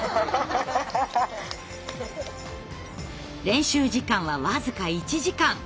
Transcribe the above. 練習時間は僅か１時間。